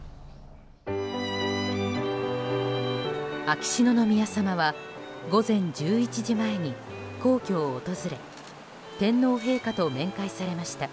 秋篠宮さまは午前１１時前に皇居を訪れ天皇陛下と面会されました。